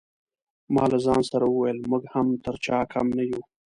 ما له ځان سره وویل موږ هم تر چا کم نه یو.